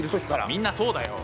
みんなそうだよ。